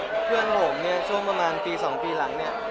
มีครับมีค่ะเพื่อนผมเนี่ยช่วงประมาณปี๒ปีหลังเนี่ย